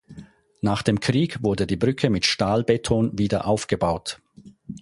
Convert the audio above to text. Nach dem Krieg wurde die Brücke mit Stahlbeton wieder aufgebaut.